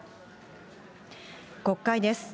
国会です。